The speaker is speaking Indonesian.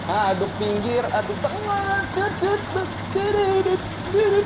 aduk pinggir aduk tengah dududu dududu dududu dududu